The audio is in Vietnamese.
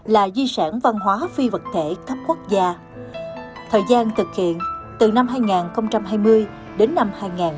là di sản văn hóa phi vật thể cấp quốc gia thời gian thực hiện từ năm hai nghìn hai mươi đến năm hai nghìn hai mươi một